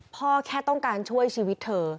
แค่ต้องการช่วยชีวิตเธอ